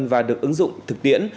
và được ứng dụng thực tiễn